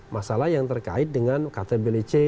masalah yang terkait dengan ktblc